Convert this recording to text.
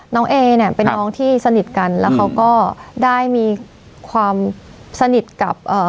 เอเนี่ยเป็นน้องที่สนิทกันแล้วเขาก็ได้มีความสนิทกับเอ่อ